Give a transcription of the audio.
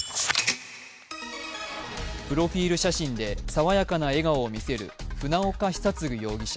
プロフィール写真で爽やかな笑顔を見せる船岡久嗣容疑者